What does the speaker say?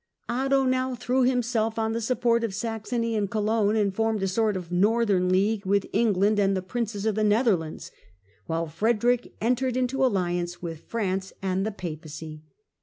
Otto now threw himself on the support of Saxony and Cologne, and formed a sort of northern league with England and the princes of the Netherlands, while Frederick entered into alliance with France and the Papacy.